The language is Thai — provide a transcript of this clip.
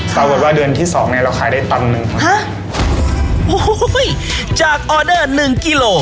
ปรากฏว่าเดือนที่สองเนี้ยเราขายได้ตันหนึ่งฮะโอ้โหจากออเดอร์หนึ่งกิโล